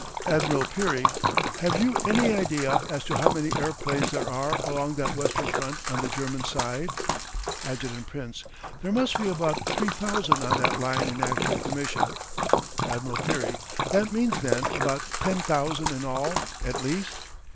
Admiral Peary: Have you any idea as to how many airplanes there are along that western front on the German side? Adjt. Prince: There must be about 3000 on that line in actual commission. Admiral Peary: That means, then, about 10,000 in all, at least?